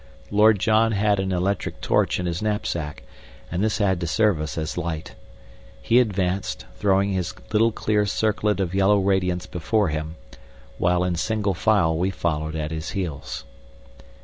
Lord John had an electric torch in his knapsack, and this had to serve us as light. He advanced, throwing his little clear circlet of yellow radiance before him, while in single file we followed at his heels.